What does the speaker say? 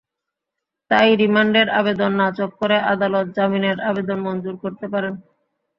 তাই রিমান্ডের আবেদন নাকচ করে আদালত জামিনের আবেদন মঞ্জুর করতে পারেন।